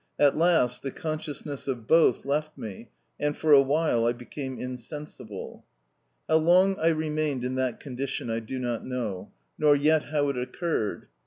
At last the consciousness of both left me, and for a while I became insensible. How long I remained in that condition I do not know, nor yet how it occurred.